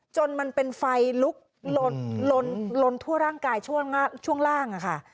มันเป็นไฟลุกลนทั่วร่างกายช่วงล่างค่ะ